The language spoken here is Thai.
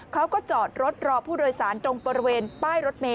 เขาก็จอดรถรอผู้โดยสารตรงบริเวณป้ายรถเมย